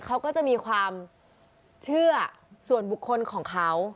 เขาก็จะมีความเชื่อส่วนบุคคลของเขา